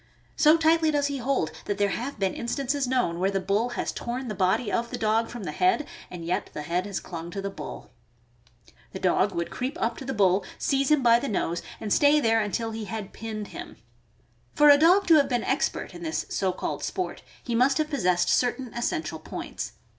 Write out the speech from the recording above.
So tightly does he hold that there have been instances known where the bull has torn the body of the dog from the head and yet the head has clung to the bull. The dog would creep up to the bull, seize him by the (599) 600 THE AMERICAN BOOK OF THE DOG. nose, and stay there until lie had "pinned him." Fora dog to have been expert in this so called sport, he must have possessed certain essential, points.